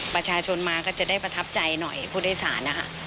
ประชาชนมาก็จะได้ประทับใจหน่อยผู้โดยสารนะคะ